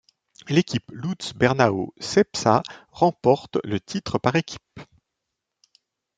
L'équipe Lutz Bernau Cepsa remporte le titre par équipes.